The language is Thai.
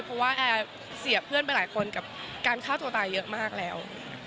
เพราะว่าแอร์เสียเพื่อนไปหลายคนกับการฆ่าตัวตายเยอะมากแล้ว